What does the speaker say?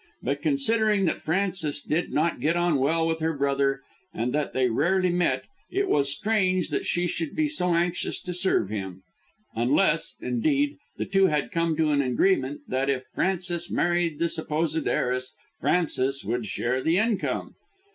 But, considering that Frances did not get on well with her brother and that they rarely met, it was strange that she should be so anxious to serve him; unless, indeed, the two had come to an agreement that if Francis married the supposed heiress Frances should share the income.